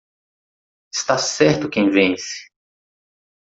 Está certo quem vence.